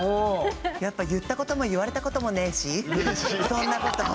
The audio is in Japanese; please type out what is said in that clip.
やっぱ言ったことも言われたこともねしそんなこと。